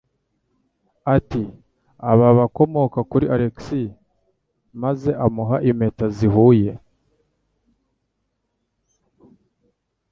Ati: "Aba bakomoka kuri Alex", maze amuha impeta zihuye.